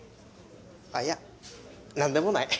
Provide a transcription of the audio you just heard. あっいやなんでもない。